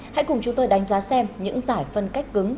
hãy cùng chúng tôi đánh giá xem những giải phân cách cứng